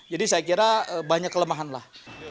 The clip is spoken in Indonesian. jadi saya kira banyak kelemahan lah